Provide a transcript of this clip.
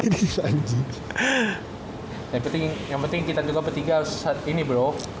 yang penting kita juga bertiga harus saat ini bro